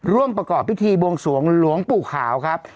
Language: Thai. ร่วมประกอบพิธีบวงสวงหลวงปู่ขาวครับ